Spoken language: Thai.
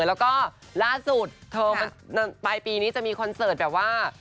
แล้วก็ล่าสุดเธอปลายปีนี้จะมีคอนเสิร์ตแบบว่า